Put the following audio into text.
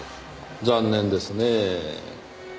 残念ですねぇ。